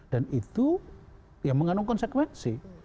dan itu yang mengandung konsekuensi